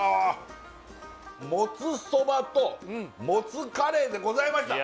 もつそばともつカレーでございました